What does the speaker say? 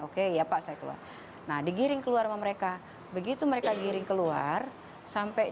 oke ya pak saya keluar nah digiring keluar sama mereka begitu mereka giring keluar sampai